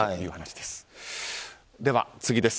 では、次です。